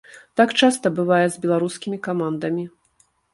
Так часта бывае з беларускімі камандамі.